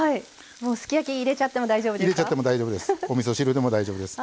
すき焼きに入れちゃっても大丈夫ですか？